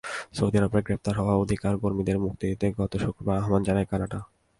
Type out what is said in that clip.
Saudi আরবে গ্রেপ্তার হওয়া অধিকারকর্মীদের মুক্তি দিতে গত শুক্রবার আহ্বান জানায় কানাডা।